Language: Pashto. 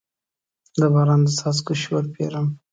د باران د څاڅکو شور پیرم